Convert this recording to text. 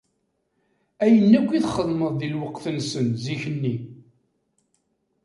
Ayen akk i txedmeḍ di lweqt-nsen, zik-nni.